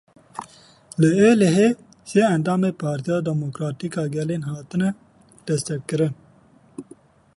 Li Êlihê sê endamên Partiya Demokratîk a Gelanê hatin desteserkirin.